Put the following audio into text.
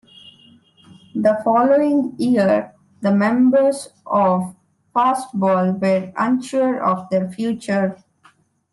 The following year, the members of Fastball were unsure of their future.